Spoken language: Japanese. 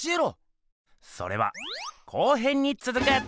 それは後編につづく！